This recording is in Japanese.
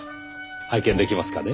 拝見できますかね？